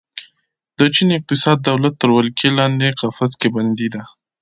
د چین اقتصاد د دولت تر ولکې لاندې قفس کې بندي ده.